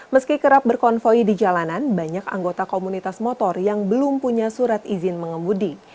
meski kerap berkonvoy di jalanan banyak anggota komunitas motor yang belum punya surat izin mengemudi